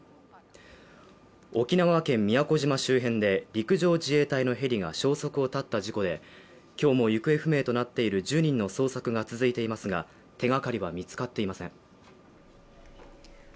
沖縄県宮古島周辺で陸上自衛隊のヘリが消息を絶った事故で、今日も行方不明となっている１０人の捜索が続いていますが、手がかりは見つかっていません。